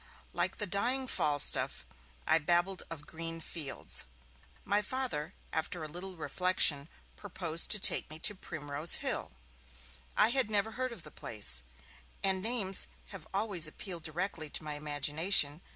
Like the dying Falstaff, I babbled of green fields. My Father, after a little reflection, proposed to take me to Primrose Hill. I had never heard of the place, and names have always appealed directly to my imagination.